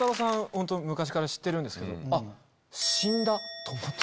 ホント昔から知ってるんですけど。と思って。